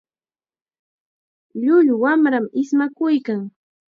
Llullu wamram ismakuykan.